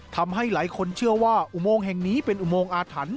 ทำให้หลายคนเชื่อว่าอุโมงแห่งนี้เป็นอุโมงอาถรรพ์